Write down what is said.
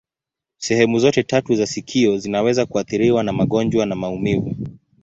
Sehemu zote tatu za sikio zinaweza kuathiriwa na magonjwa na maumivu.